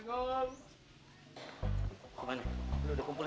gak ada yang tau ini